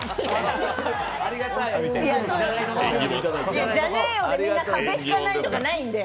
いや、じゃねえよでみんな風邪ひかないじゃないんで。